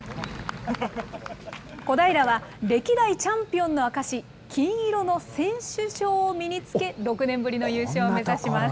小平は歴代チャンピオンの証し、金色の選手章を身につけ、６年ぶりの優勝を目指します。